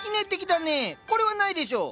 これはないでしょう。